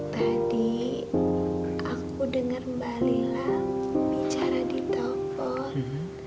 tadi aku denger mba lila bicara di telepon